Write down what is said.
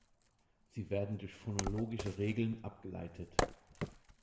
Sie werden durch phonologische Regeln abgeleitet.